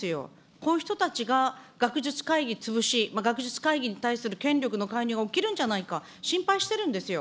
こういう人たちが学術会議潰し、学術会議に対する権力の介入が起きるんじゃないか、心配してるんですよ。